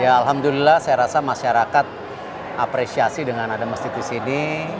ya alhamdulillah saya rasa masyarakat apresiasi dengan ada masjid di sini